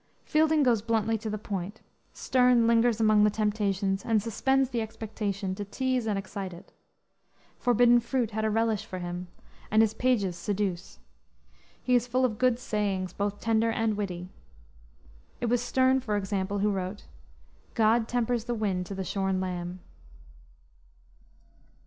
Fielding goes bluntly to the point; Sterne lingers among the temptations and suspends the expectation to tease and excite it. Forbidden fruit had a relish for him, and his pages seduce. He is full of good sayings, both tender and witty. It was Sterne, for example, who wrote, "God tempers the wind to the shorn lamb."